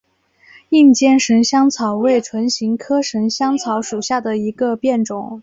硬尖神香草为唇形科神香草属下的一个变种。